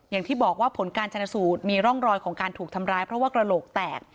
อย่างที่บอกว่าผลการชนสูตรมีร่องรอยของการถูกทำร้ายเพราะว่ากระโหลกแตก